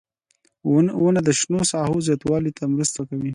• ونه د شنو ساحو زیاتوالي ته مرسته کوي.